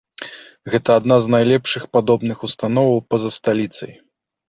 Гэта адна з найлепшых падобных установаў па-за сталіцай.